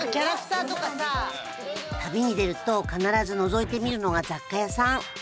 旅に出ると必ずのぞいてみるのが雑貨屋さん。